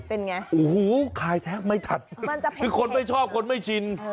เป็นไงโอ้โหขายแทบไม่ทันคือคนไม่ชอบคนไม่ชิน